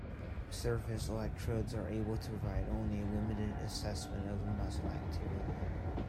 Surface electrodes are able to provide only a limited assessment of the muscle activity.